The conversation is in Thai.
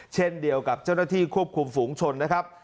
เช่นเดียวกับเจ้าหน้าที่ควบคุมฝูงชนนะครับ